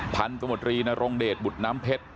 พันธมตรีนรงเดชบุตรน้ำเพชร